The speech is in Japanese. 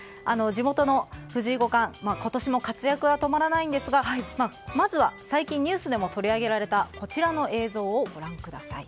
地元の藤井五冠今年も活躍が止まらないんですがまずは最近ニュースでも取り上げられたこちらの映像をご覧ください。